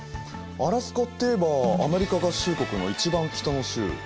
アラスカっていえばアメリカ合衆国の一番北の州寒い所だね。